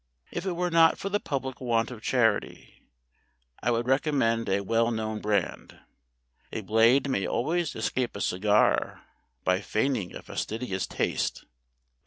If it were not for the public want of charity, I would recommend a well known brand. A Blade may always escape a cigar by feigning a fastidious taste.